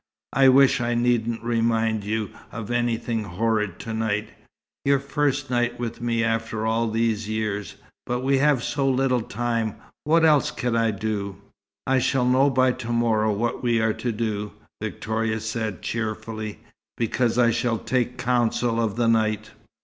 "I wish I needn't remind you of anything horrid to night your first night with me after all these years. But we have so little time. What else can I do?" "I shall know by to morrow what we are to do," Victoria said cheerfully. "Because I shall take counsel of the night."